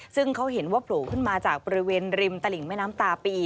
ซึ่งเขาเห็นว่าโผล่ขึ้นมาจากบริเวณริมตลิ่งแม่น้ำตาปี